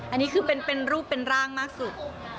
อันนี้คือเป็นรูปเป็นร่างมากสุด